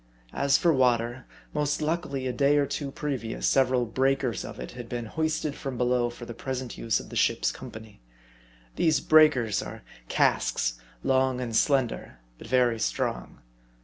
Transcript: As for water, most luckily a day or two previous several "breakers" of it had been hoisted from below for the present use of the ship's company. These "breakers" are casks, long and slender, but very strong.